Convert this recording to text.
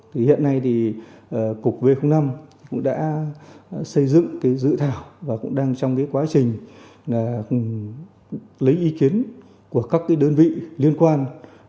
thì hiện nay thì cục v năm cũng đã xây dựng cái dự thảo và cũng đang trong cái quá trình lấy ý kiến của các cái đơn vị liên quan